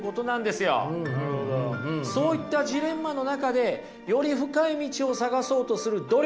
そういったジレンマの中でより深い道を探そうとする努力。